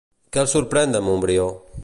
Què el sorprèn de Montbrió?